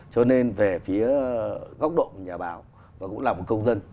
cho nên về phía góc độ nhà báo và cũng là một công dân